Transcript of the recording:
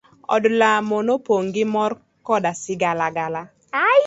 Od lamo nopong' gi mor koda sigalagala.